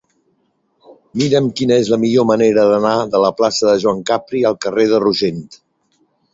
Mira'm quina és la millor manera d'anar de la plaça de Joan Capri al carrer de Rogent.